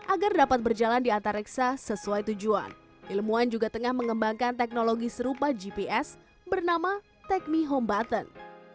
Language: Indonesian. agar dapat berjalan di antariksa sesuai tujuan ilmuwan juga tengah mengembangkan teknologi serupa gps bernama techni home button